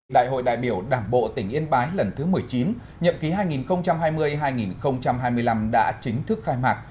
đại hội đại biểu đảng bộ tỉnh yên bái lần thứ một mươi chín nhậm ký hai nghìn hai mươi hai nghìn hai mươi năm đã chính thức khai mạc